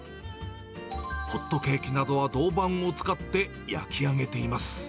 ホットケーキなどは銅板を使って焼き上げています。